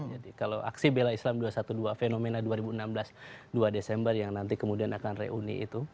jadi kalau aksi bela islam dua ratus dua belas fenomena dua ribu enam belas dua desember yang nanti kemudian akan reuni itu